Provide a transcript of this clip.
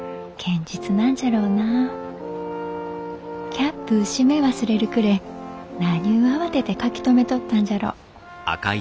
キャップう閉め忘れるくれえ何ゅう慌てて書き留めとったんじゃろう。